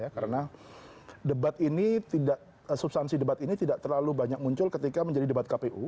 karena substansi debat ini tidak terlalu banyak muncul ketika menjadi debat kpu